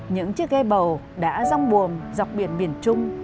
những chiếc ghe bầu đã rong buồm dọc biển miền trung